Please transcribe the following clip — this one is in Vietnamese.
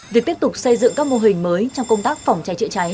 việc tiếp tục xây dựng các mô hình mới trong công tác phòng cháy chữa cháy